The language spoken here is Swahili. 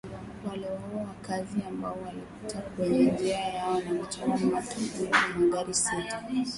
Waliwaua wakaazi ambao walipita kwenye njia yao na kuchoma moto magari sita